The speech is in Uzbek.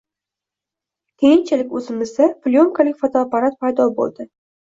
Keyinchalik oʻzimizda plyonkali fotoapparat paydo boʻldi.